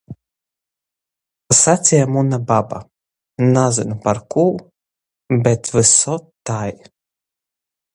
Saceja muna baba: Nazynu par kū, bet vysod tai...